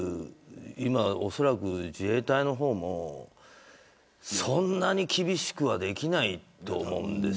今はおそらく自衛隊の方もそんなに厳しくはできないと思うんですよ。